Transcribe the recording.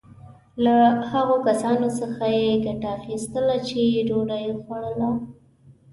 له هغو کسانو څخه یې ګټه اخیستله چې ډوډی یې خوړله.